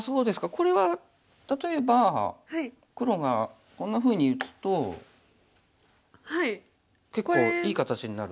これは例えば黒がこんなふうに打つと結構いい形になる？